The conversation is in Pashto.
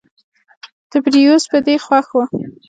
تبریوس په دې خوښ و.